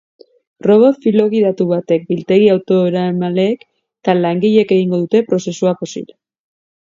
Robot filogidatu batek, biltegi autoeramaleek eta langileek egingo dute prozesua posible.